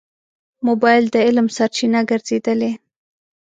موبایل د علم سرچینه ګرځېدلې.